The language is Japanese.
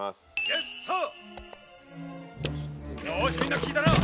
「よしみんな聞いたな？